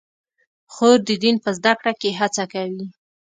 خور د دین په زده کړه کې هڅه کوي.